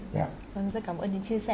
vâng rất cảm ơn đến chia sẻ